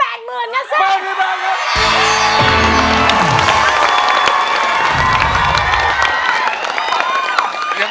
เรียกโอเคนะพี่ตาน